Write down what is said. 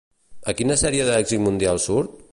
A quina sèrie d'èxit mundial surt?